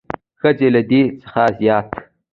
ښځې له دې څخه زیات